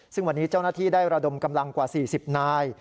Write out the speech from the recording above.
ซึ่งวันนี้เจ้าหน้าที่ได้ระดมกำลังกว่า๔๐นาย